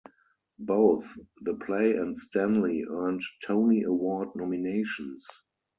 Both the play and Stanley earned Tony Award nominations.